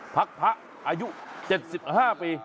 พักพระอายุ๗๕ปี